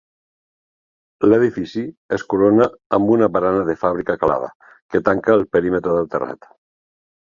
L'edifici es corona amb una barana de fàbrica calada que tanca el perímetre del terrat.